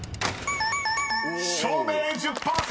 ［「照明」１０％！